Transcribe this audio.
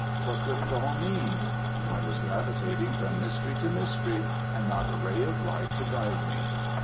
What could it all mean? I was gravitating from mystery to mystery and not a ray of light to guide me.